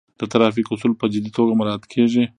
د ترافیک اصول په جدي توګه مراعات کیږي.